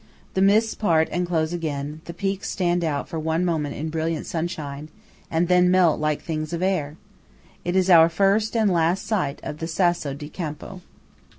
The mists part and close again; the peaks stand out for one moment in brilliant sunshine, and then melt like things of air! It is our first and last sight of the Sasso di Campo.